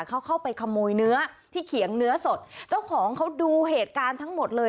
เขาเข้าไปขโมยเนื้อที่เขียงเนื้อสดเจ้าของเขาดูเหตุการณ์ทั้งหมดเลย